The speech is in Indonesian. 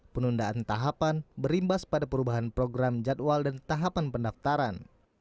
penundaan tahapan berimbas pada perubahan program jadwal dan tahapan pendaftaran